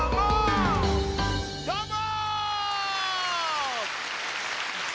どーも！